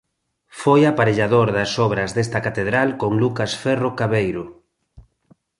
Foi aparellador das obras desta catedral con Lucas Ferro Caaveiro.